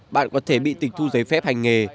bạn có thể bị tịch thu giấy phép hành nghề